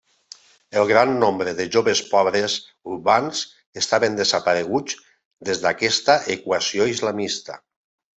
El gran nombre de joves pobres urbans estaven desapareguts des d'aquesta equació islamista.